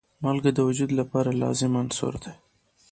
مالګه د وجود لپاره لازم عنصر دی.